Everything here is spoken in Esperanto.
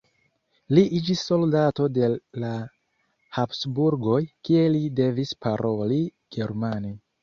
Li iĝis soldato de la Habsburgoj, kie li devis paroli germane.